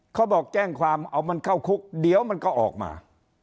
เขาบอกแจ้งความเอามันเข้าคุกเดี๋ยวมันก็ออกมา